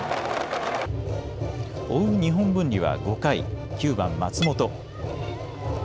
追う日本文理は５回、９番・松本。